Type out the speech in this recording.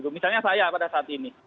misalnya saya pada saat ini